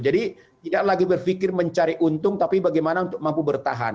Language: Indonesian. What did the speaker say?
jadi tidak lagi berpikir mencari untung tapi bagaimana untuk mampu bertahan